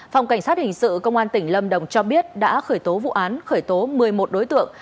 phòng cảnh sát hình sự công an tỉnh lâm đồng cho biết đã khởi tố vụ án khởi tố một mươi một đối tượng